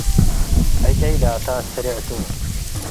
ዕጨይ ላተ ስሮዕ ቱ።